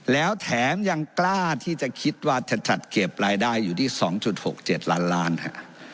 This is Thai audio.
แล้วแถมยังกล้าที่จะคิดว่าจะจัดเก็บรายได้อยู่ที่๒๖๗ล้านล้านฮะ